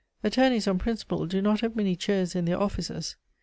Attorneys, on principle, do not have many chairs in their offices.